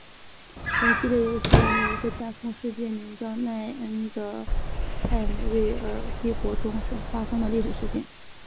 本系列游戏于一个架空世界名叫奈恩的泰姆瑞尔帝国中所发生的历史事件。